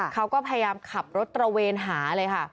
เขาก็พยายามขับรถตระเวนหา